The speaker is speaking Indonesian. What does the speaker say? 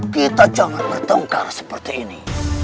kita jangan bertengkar seperti ini